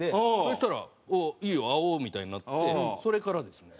したら「あっいいよ会おう」みたいになってそれからですね。